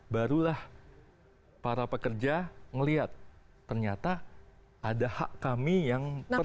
barulah para pekerja melihat ternyata ada hak kami yang penting